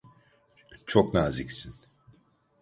Çok naziksin.